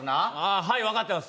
はい、分かってます。